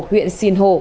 huyện xìn hồ